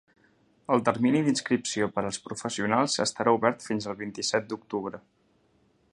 El termini d’inscripció per als professionals estarà obert fins al vint-i-set d’octubre.